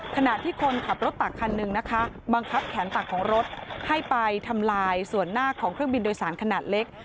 ขณะที่คนขับรถตักคันหนึ่งนะคะบังคับแขนตักของรถให้ไปทำลายส่วนหน้าของเครื่องบินโดยสารขนาดเล็ก